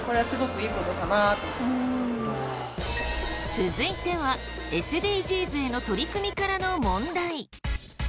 続いてはＳＤＧｓへの取り組みからの問題。